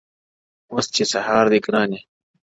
o اوس چي سهار دى گراني،